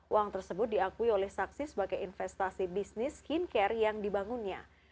uang tersebut diakui oleh saksi sebagai investasi bisnis skincare yang dibangunnya